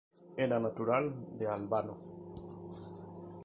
Era natural de Albano.